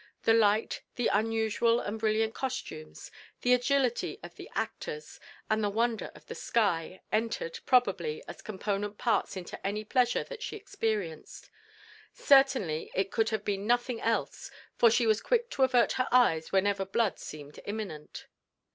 The light, the unusual and brilliant costumes, the agility of the actors, and the wonder of the sky, entered, probably, as component parts into any pleasure that she experienced. Certainly it could have been nothing else, for she was quick to avert her eyes whenever blood seemed imminent.